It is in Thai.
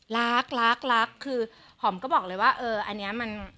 รักรักรักคือหอมก็บอกเลยว่าเอออันนี้มัน